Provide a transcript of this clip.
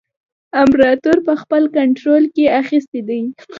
امپراطور په خپل کنټرول کې اخیستی دی.